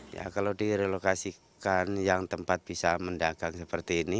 ya kalau direlokasikan yang tempat bisa mendagang seperti ini